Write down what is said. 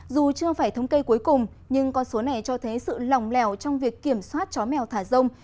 dù chưa phải thống kê cuối cùng nhưng con số này cho thấy sự lỏng lẻo trong việc kiểm soát chó mèo thả rông